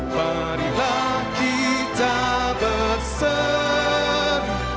marilah kita bersama